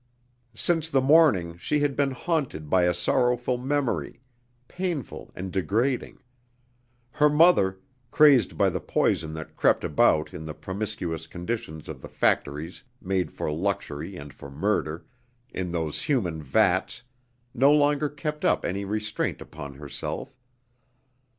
Since the morning she had been haunted by a sorrowful memory, painful and degrading; her mother, crazed by the poison that crept about in the promiscuous conditions of the factories made for luxury and for murder, in those human vats, no longer kept up any restraint upon herself.